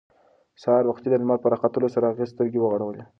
سهار وختي د لمر په راختلو سره هغې سترګې وغړولې.